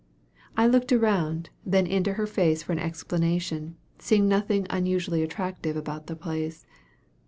I looked around, then into her face for an explanation, seeing nothing unusually attractive about the place.